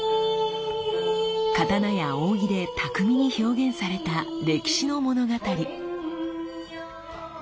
刀や扇で巧みに表現された歴史の物語。